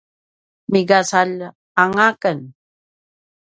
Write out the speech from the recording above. migacaljanga aken